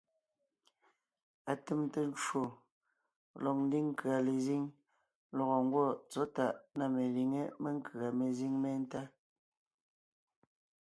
Atèmte ncwò lɔg ńdiŋ nkʉ̀a lezíŋ lɔgɔ ńgwɔ́ tsɔ̌ tàʼ na meliŋé menkʉ̀a mezíŋ métá.